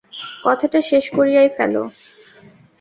কথাটা শেষ করিয়াই ফেল!